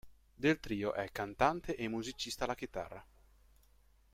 Del trio è cantante e musicista alla chitarra.